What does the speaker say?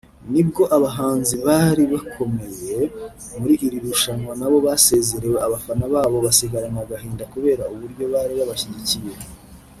nibwo abahanzi bari bakomeye muri iri rushanwa nabo basezerewe abafana babo basigarana agahinda kubera uburyo bari babashyigikiye